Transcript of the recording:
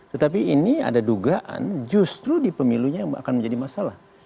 tetapi ini ada dugaan justru di pemilunya yang akan menjadi masalah